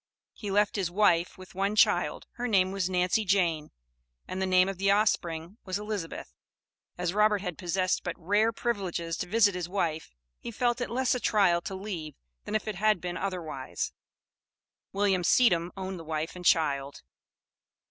He left his wife, with one child; her name was Nancy Jane, and the name of the offspring was Elizabeth. As Robert had possessed but rare privileges to visit his wife, he felt it less a trial to leave than if it had been otherwise. William Seedam owned the wife and child.